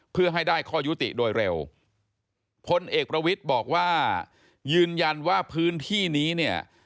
เพื่อให้ได้ข้อยุติโดยเร็วพลเอกประวิทย์บอกว่ายืนยันว่าพื้นที่นี้เนี่ย